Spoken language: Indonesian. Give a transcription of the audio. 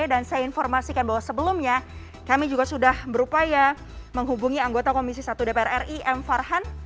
dan saya informasikan bahwa sebelumnya kami juga sudah berupaya menghubungi anggota komisi satu dpr ri m farhan